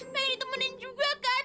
pengen di temenin juga kan